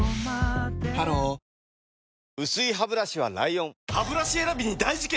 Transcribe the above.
ハロー薄いハブラシは ＬＩＯＮハブラシ選びに大事件！